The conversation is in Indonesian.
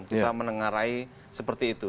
kita menengarai seperti itu